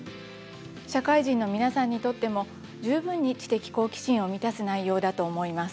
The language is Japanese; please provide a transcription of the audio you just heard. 社会人の皆さんにとっても十分に知的好奇心を満たす内容だと思います。